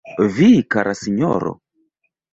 Vi, kara sinjoro?